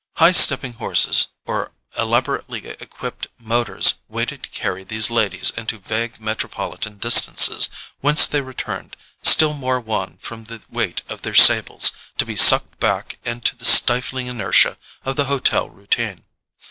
High stepping horses or elaborately equipped motors waited to carry these ladies into vague metropolitan distances, whence they returned, still more wan from the weight of their sables, to be sucked back into the stifling inertia of the hotel routine.